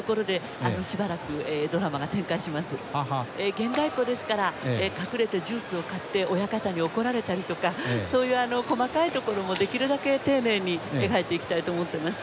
現代っ子ですから隠れてジュースを買って親方に怒られたりとかそういう細かいところもできるだけ丁寧に描いていきたいと思ってます。